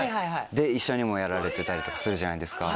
一緒にもやられてたりするじゃないですか。